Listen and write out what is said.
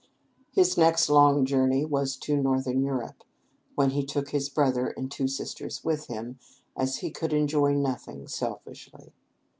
His next long journey was to Northern Europe, when he took his brother and two sisters with him, as he could enjoy nothing selfishly.